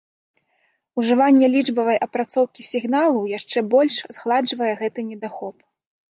Ужыванне лічбавай апрацоўкі сігналу яшчэ больш згладжвае гэты недахоп.